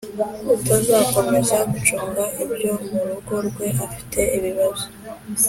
utazakomeza gucunga ibyo mu rugo rwe afite ibibazo